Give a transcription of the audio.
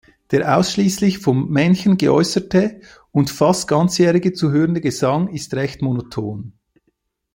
Der ausschließlich vom Männchen geäußerte und fast ganzjährig zu hörende Gesang ist recht monoton.